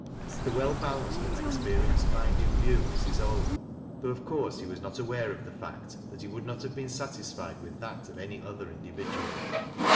The well balanced and experienced mind in view was his own, though of course he was not aware of the fact that he would not have been satisfied with that of any other in dividual.